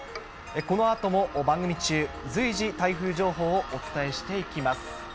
このあとも番組中、随時、台風情報をお伝えしていきます。